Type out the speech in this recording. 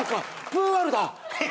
プーアルだ。